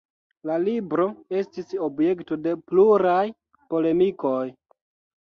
La libro estis objekto de pluraj polemikoj.